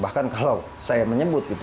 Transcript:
bahkan kalau saya menyebut gitu